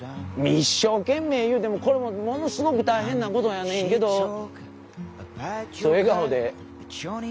一生懸命ゆうてもこれもものすごく大変なことやねんけど笑顔で非常に。